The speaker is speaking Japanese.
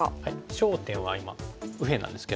焦点は今右辺なんですけれども。